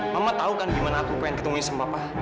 mama tahu kan gimana aku pengen ketemu sama papa